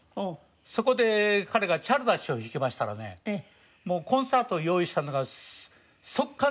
そこで彼が『チャルダッシュ』を弾きましたらねコンサートを用意したのが即完で。